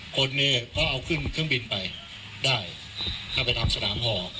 คนนี้เขาเอาขึ้นเครื่องบินไปได้เข้าไปทำสนามห่อ